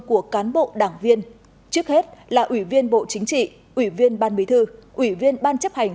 của cán bộ đảng viên trước hết là ủy viên bộ chính trị ủy viên ban bí thư ủy viên ban chấp hành